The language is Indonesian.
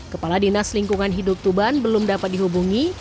kepala dinas lingkungan hidup tuban belum dapat dihubungi